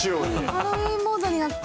ハロウィーンモードになった！